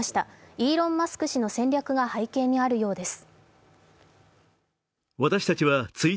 イーロン・マスク氏の戦略が背景にあるようです。